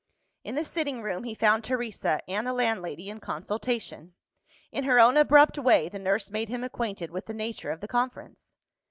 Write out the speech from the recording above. In the sitting room, he found Teresa and the landlady in consultation. In her own abrupt way, the nurse made him acquainted with the nature of the conference.